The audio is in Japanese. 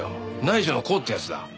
内助の功ってやつだ。